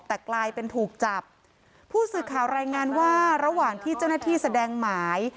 แต่กลายเป็นถูกจับผู้สื่อข่าวรายงานว่าระหว่างที่เจ้าหน้าที่แสดงหมาย